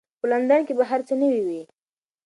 په لندن کې به هر څه نوي وي.